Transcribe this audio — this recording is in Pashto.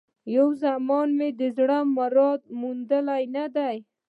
یو زمان مي د زړه مراد موندلی نه دی